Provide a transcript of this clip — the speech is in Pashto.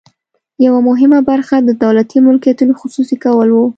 یوه مهمه برخه د دولتي ملکیتونو خصوصي کول وو.